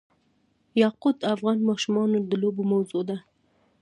یاقوت د افغان ماشومانو د لوبو موضوع ده.